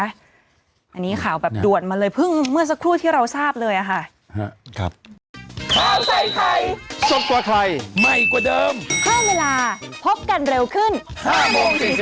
อันนี้ข่าวแบบด่วนมาเลยเพิ่งเมื่อสักครู่ที่เราทราบเลยอะค่ะ